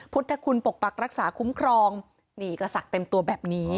พุทธคุณปกปักรักษาคุ้มครองนี่ก็ศักดิ์เต็มตัวแบบนี้